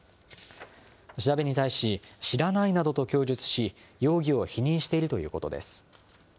調べに対し、知らないなどと供述し、容疑を否認しているということです。